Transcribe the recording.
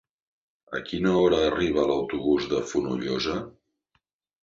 A quina hora arriba l'autobús de Fonollosa?